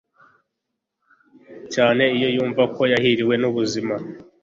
Cyane iyo yumva Ko yahiriwe n'ubuzima